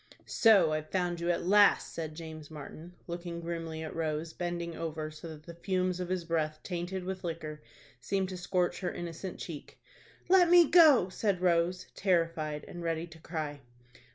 "So I've found you at last," said James Martin, looking grimly at Rose, bending over so that the fumes of his breath, tainted with liquor, seemed to scorch her innocent cheek. "Let me go," said Rose, terrified and ready to cry.